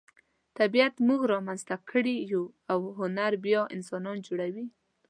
طبیعت موږ را منځته کړي یو او هنر بیا انسانان جوړوي.